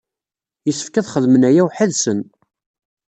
Yessefk ad xedmen aya weḥd-sen.